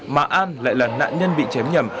mà an lại là nạn nhân bị chém nhầm